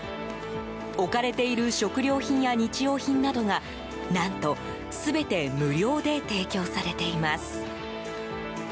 置かれている食料品や日用品などが何と全て無料で提供されています。